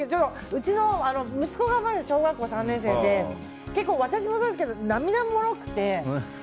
うちの息子がまだ小学校３年生で私もそうですけど涙もろくて。